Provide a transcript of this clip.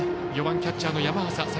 ４番、キャッチャーの山浅。